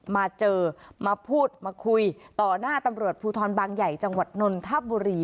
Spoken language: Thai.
มาเจอมาพูดมาคุยต่อหน้าตำรวจภูทรบางใหญ่จังหวัดนนทบุรี